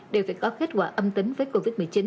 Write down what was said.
đều phải có kết quả âm tính với covid một mươi chín